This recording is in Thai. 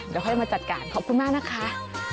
เดี๋ยวค่อยมาจัดการขอบคุณมากนะคะ